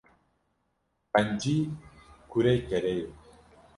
Qencî kurê kerê ye.